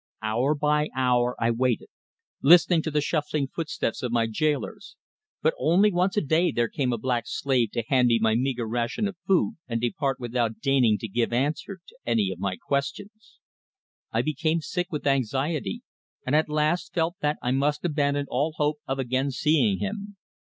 Hour by hour I waited, listening to the shuffling footsteps of my gaolers, but only once a day there came a black slave to hand me my meagre ration of food and depart without deigning to give answer to any of my questions. I became sick with anxiety, and at last felt that I must abandon all hope of again seeing him.